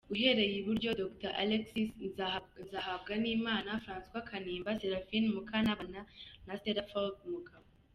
Uhereye iburyo: Dr Alexis Nzahabwanimana; François Kanimba; Seraphine Mukantabana na Stella Ford Mugabo.